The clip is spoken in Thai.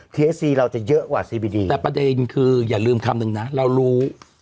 เอฟซีเราจะเยอะกว่าซีบีดีแต่ประเด็นคืออย่าลืมคำนึงนะเรารู้